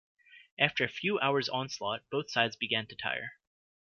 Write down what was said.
After a few hours' onslaught, both sides began to tire.